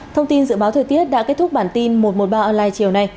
thông tin dự báo thời tiết đã kết thúc bản tin một trăm một mươi ba online chiều nay